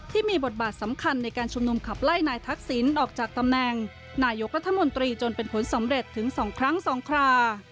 ที่มีบทบาทสำคัญในการชุมนุมขับไล่นายทักษิณออกจากตำแหน่งนายกรัฐมนตรีจนเป็นผลสำเร็จถึง๒ครั้ง๒ครา